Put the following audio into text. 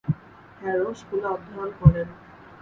Harrow স্কুলে অধ্যয়ন করেন।